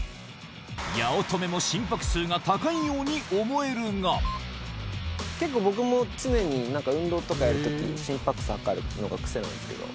八乙女も心拍数が高いように結構、僕も常になんか、運動とかやるとき心拍数測るのが癖なんですけど。